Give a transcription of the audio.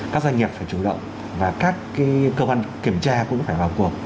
các doanh nghiệp phải chủ động và các cơ quan kiểm tra cũng phải vào cuộc